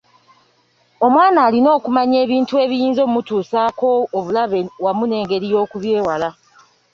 Omwana alina okumanya ebintu ebiyinza okumutuusaako obulabe wamu n’engeri y’okubyewala.